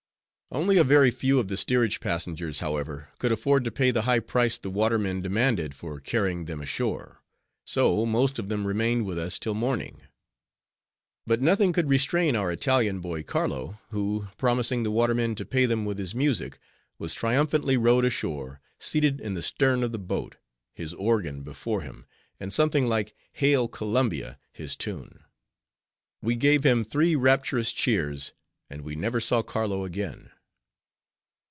Only a very few of the steerage passengers, however, could afford to pay the high price the watermen demanded for carrying them ashore; so most of them remained with us till morning. But nothing could restrain our Italian boy, Carlo, who, promising the watermen to pay them with his music, was triumphantly rowed ashore, seated in the stern of the boat, his organ before him, and something like "Hail Columbia!" his tune. We gave him three rapturous cheers, and we never saw Carlo again.